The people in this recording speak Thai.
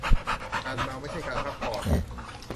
การเมาไม่ใช่การพักผ่อน.